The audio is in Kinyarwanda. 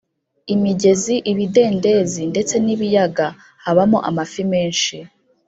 imigezi, ibidendezi ndetse n’ibiyaga habamo amafi menshi